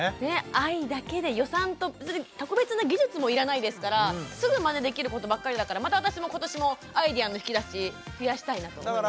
愛だけで予算と別に特別な技術もいらないですからすぐマネできることばっかりだからまた私も今年もアイデアの引き出し増やしたいなと思いました。